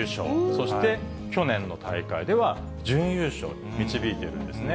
そして去年の大会では準優勝に導いているんですね。